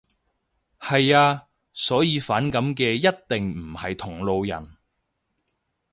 係呀。所以反感嘅一定唔係同路人